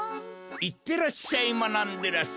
いってらっしゃいまなんでらっしゃい。